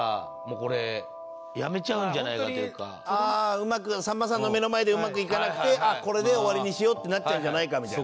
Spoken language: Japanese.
うまくさんまさんの目の前でうまくいかなくてこれで終わりにしようってなっちゃうんじゃないかみたいな。